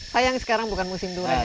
sayang sekarang bukan musim durian